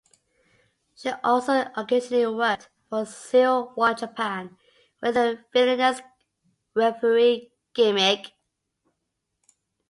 She also occasionally worked for Zero-One Japan with a villainous referee gimmick.